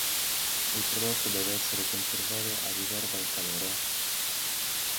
Il prodotto deve essere conservato al riparo dal calore.